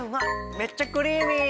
めっちゃクリーミー。